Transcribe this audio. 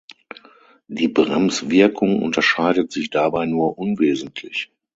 Die Bremswirkung unterscheidet sich dabei nur unwesentlich.